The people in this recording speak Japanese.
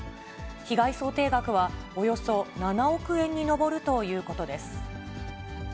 被害想定額はおよそ７億円に上るということです。